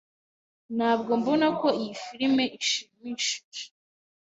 Ntabwo mbona ko iyi firime ishimishije.